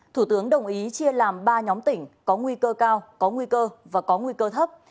thủ tướng đồng ý chia làm ba nhóm tỉnh có nguy cơ cao có nguy cơ và có nguy cơ thấp